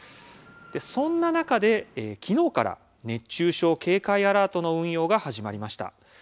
そんな中で、昨日から熱中症警戒アラートの運用が始まりました。